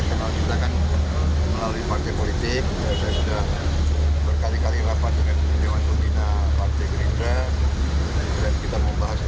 jadi kita ambil masing masing kita mengambil masing masing kita lihat laka laka kedepannya